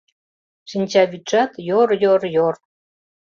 Шинчавӱдшат — йор-йор-йор